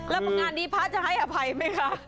รับประงานนี้พระจะให้อภัยไหมคะ